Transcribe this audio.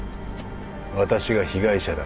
私が被害者だ。